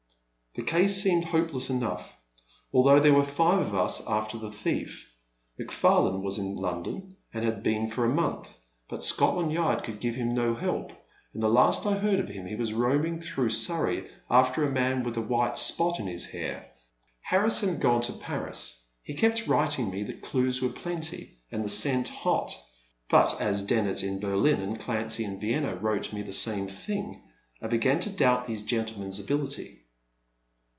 The case seemed hopeless enough, although there were five of us after the thief. McParlane was in London, and had been for a month, but Scotland Yard could give him no help, and the last I heard of him he was roaming through Sur rey after a man with a white spot in his hair. Harrison had gone to Paris. He kept writing me that dues were plenty and the scent hot, but as Dennet, in Berlin, and Clancy, in Vienna, wrote me the same thing, I began to doubt these gentle men* s ability.